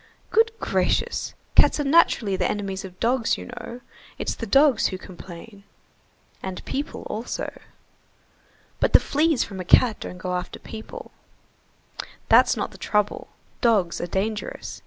"Good gracious, cats are naturally the enemies of dogs, you know. It's the dogs who complain." "And people also." "But the fleas from a cat don't go after people." "That's not the trouble, dogs are dangerous.